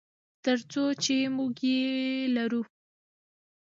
تر څو چې موږ یې لرو.